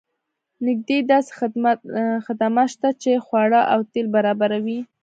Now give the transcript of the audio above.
نږدې داسې خدمات شته چې خواړه او تیل برابروي